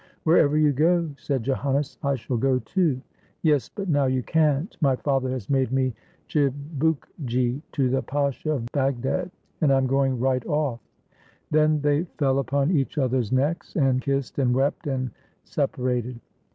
"Wherever you go," said Joannes, "I shall go, too." "Yes, but now you can't. My father has made me chibukgi to the Pasha of Bagdad, and I am going right off." Then they fell upon each other's necks, and kissed, and wept, and separated.